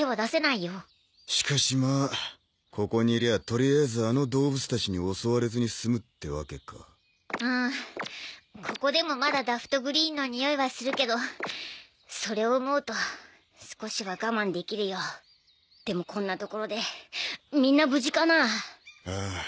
とりあえずあの動物たちに襲われずに済むってワケかうんここでもまだダフトグリーンのにおいはするけどそれを思うと少しは我慢できるよでもこんな所でみんな無事かなあああ